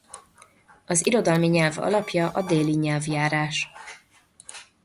Az irodalmi nyelv alapja a déli nyelvjárás.